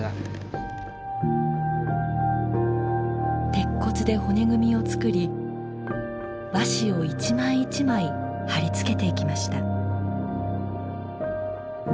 鉄骨で骨組みをつくり和紙を一枚一枚貼り付けていきました。